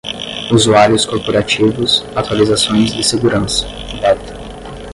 usuários corporativos, atualizações de segurança, beta